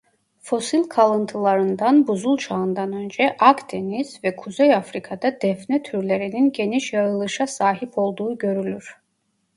Fosil kalıntılarından Buzul Çağı'ndan önce Akdeniz ve Kuzey Afrika'da defne türlerinin geniş yayılışa sahip olduğu görülür.